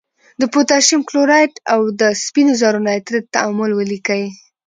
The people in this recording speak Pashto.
د پوتاشیم کلورایډ او د سپینو زور نایتریت تعامل ولیکئ.